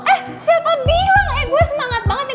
eh siapa bilang eh gue semangat banget nih